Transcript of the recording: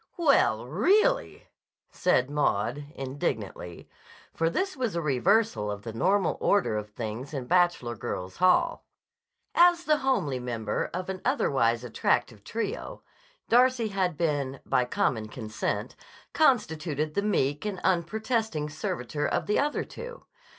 "Well, really!" said Maud indignantly, for this was a reversal of the normal order of things in Bachelor Girls' Hall. As the homely member of an otherwise attractive trio, Darcy had been, by common consent, constituted the meek and unprotesting servitor of the other two.